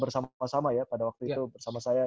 bersama sama ya pada waktu itu bersama saya